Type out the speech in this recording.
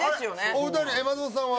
お二人松本さんは？